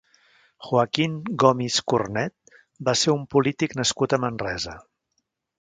Joaquín Gomis Cornet va ser un polític nascut a Manresa.